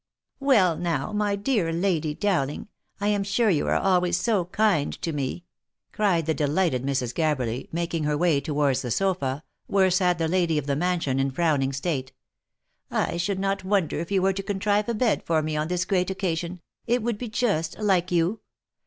" Well now, my dear Lady Dowling ! I am sure you are always so kind to me !" cried the delighted Mrs. Gabberly, making her way towards the sofa, where sat the lady of the mansion in frown ing state ;" I should not wonder if you were to contrive a bed for me on this great occasion, it would be just like you.